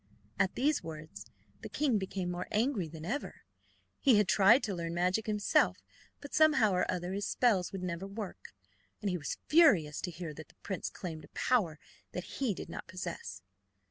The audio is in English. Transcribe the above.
At these words the king became more angry than ever. He had tried to learn magic himself, but somehow or other his spells would never work, and he was furious to hear that the prince claimed a power that he did not possess.